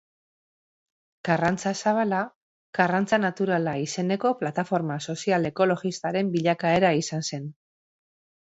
Karrantza Zabala Karrantza Naturala izeneko plataforma sozial-ekologistaren bilakaera izan zen.